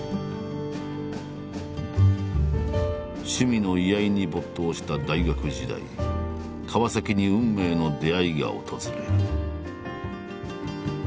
趣味の居合に没頭した大学時代川に運命の出会いが訪れる。